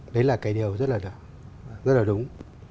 đấy là cái điều rất là đúng